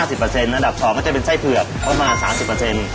อันดับ๒ก็จะเป็นไส้เผือกประมาณ๓๐